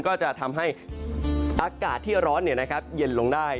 ก็จะทำให้อากาศที่ร้อนเย็นลงได้